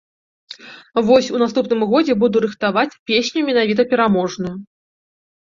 Вось у наступным годзе буду рыхтаваць песню менавіта пераможную.